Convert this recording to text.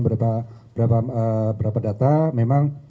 beberapa data memang